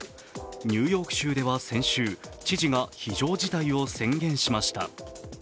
ニューヨーク州では先週、知事が非常事態を宣言しました。